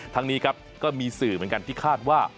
ทั้งนี้ครับก็มีสื่อเหมือนกันที่คาดว่า